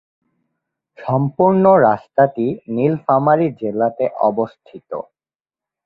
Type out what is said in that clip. সম্পূর্ণ রাস্তাটি নীলফামারী জেলাতে অবস্থিত।